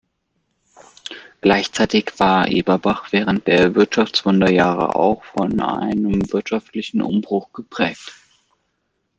Gleichzeitig war Eberbach während der Wirtschaftswunderjahre auch von einem wirtschaftlichen Umbruch geprägt.